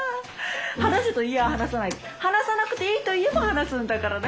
話せといやあ話さないで話さなくていいと言えば話すんだからな。